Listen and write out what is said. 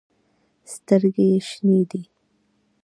سترګې ېې شنې دي